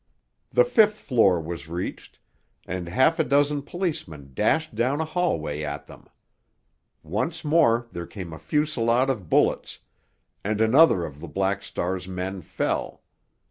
The fifth floor was reached, and half a dozen policemen dashed down a hallway at them. Once more there came a fusillade of bullets—and another of the Black Star's men fell.